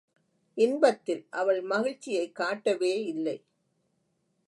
இன்பத்தில் அவள் மகிழ்ச்சியைக் காட்டவே இல்லை.